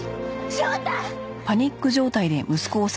翔太！